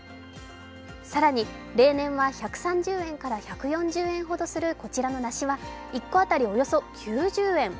更に例年は１３０円から１４０円ほどするこちらの梨は１個当たりおよそ９０円。